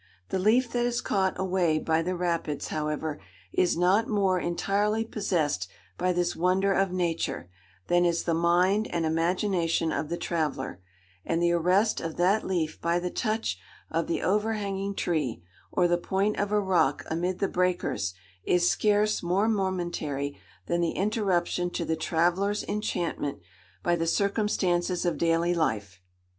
The leaf that is caught away by the Rapids, however, is not more entirely possessed by this wonder of nature, than is the mind and imagination of the traveller; and the arrest of that leaf by the touch of the overhanging tree, or the point of a rock amid the breakers, is scarce more momentary than the interruption to the traveller's enchantment by the circumstances of daily life.